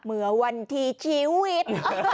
เมื่อวันที่ชีวิต